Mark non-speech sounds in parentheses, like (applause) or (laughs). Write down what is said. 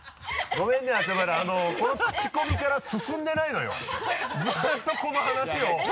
ごめんねあちゃまるこのクチコミから進んでないのよずっとこの話を (laughs)